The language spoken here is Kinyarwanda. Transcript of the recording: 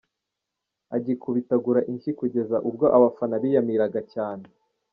agikubitagura inshyi kugeza ubwo abafana biyamiraga cyane.